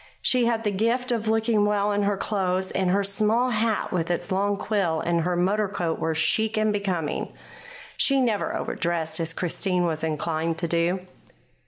She had the gift of looking well in her clothes, and her small hat with its long quill and her motor coat were chic and becoming. She never overdressed, as Christine was inclined to do.